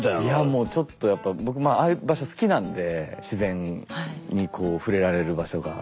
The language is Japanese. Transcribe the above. もうちょっとやっぱ僕まあああいう場所好きなんで自然にこう触れられる場所が。